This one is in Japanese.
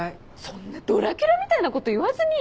そんなドラキュラみたいなこと言わずに。